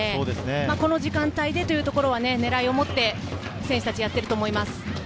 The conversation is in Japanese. この時間帯でというところは狙いを持って選手達はやっていると思います。